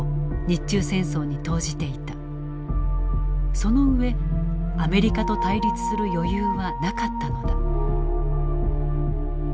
その上アメリカと対立する余裕はなかったのだ。